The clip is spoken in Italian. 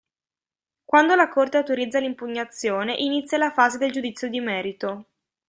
Quando la Corte autorizza l'impugnazione, inizia la fase del giudizio di merito.